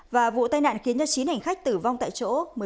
và vụ tai nạn khiến cho chín hành khách tử vong tại chỗ